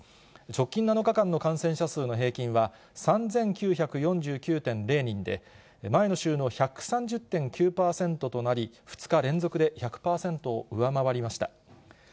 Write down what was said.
直近７日間の感染者数の平均は、３９４９．０人で、前の週の１３０．９％となり、２日連続で１００％を上回りました。